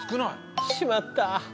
しまった。